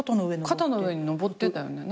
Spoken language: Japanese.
肩の上に登ってたよね。